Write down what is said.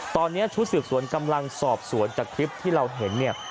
ตอนนี้ชุดสืบสวนกำลังสอบสวนจากคลิปที่เราเห็นเนี่ย